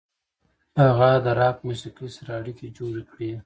هغه د راک موسیقۍ سره اړیکې جوړې کړې.